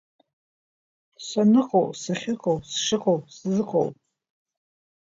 Саныҟоу, сахьыҟоу, сшыҟоу, сзыҟоу…